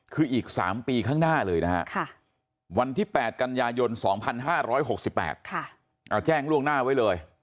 คืออีก๓ปีข้างหน้าเลยนะฮะวันที่๘กันยายน๒๕๖๘เราแจ้งล่วงหน้าไว้เลย